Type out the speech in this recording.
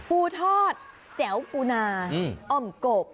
ปูทอดแจ๋วปูนาอ่อมกบ